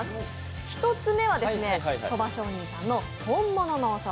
１つ目は蕎上人さんの本物のおそば